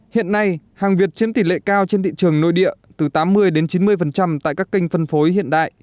hiện nay hàng việt chiếm tỷ lệ cao trên thị trường nội địa từ tám mươi đến chín mươi tại các kênh phân phối hiện đại